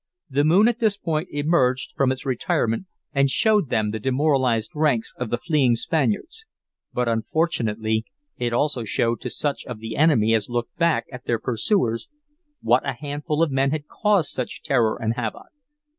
The moon at this point emerged from its retirement and showed them the demoralized ranks of the fleeing Spaniards. But, unfortunately, it also showed to such of the enemy as looked back at their pursuers, what a handful of men had caused such terror and havoc.